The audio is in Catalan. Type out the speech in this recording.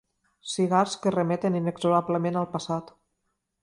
Cigars que remeten inexorablement al passat.